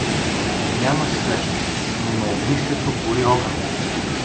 Няма свещ, но на огнището гори огън.